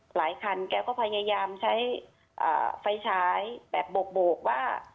หลายคันแกก็พยายามใช้ไฟฉายแบบโบกว่า